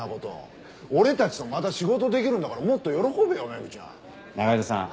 俺たちとまた仕事できるんだからもっと喜べよメグちゃん。仲井戸さん